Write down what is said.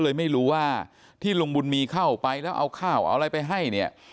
เลยไม่รู้ว่าที่ลุงบุญมีเข้าไปแล้วเอาข้าวเอาอะไรไปให้เนี่ย